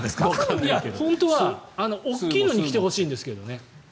本当は大きいのに来てほしいんですけどね。